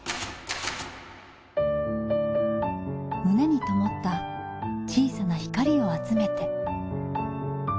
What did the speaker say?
胸にともった小さな光を集めて。